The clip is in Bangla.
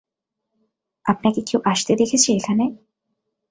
আপনাকে কেউ আসতে দেখেছে এখানে?